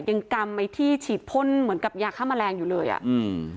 ยังกำไอที่ฉีดพลเหมือนกับยางข้ามแมลงอยู่เลยอ่ะอืม